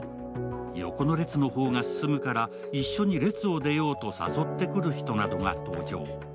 横の列の方が進むから一緒に列を出ようと誘ってくるひとなどが登場。